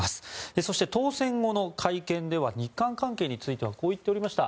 そして、当選後の会見では日韓関係についてはこう言っておりました。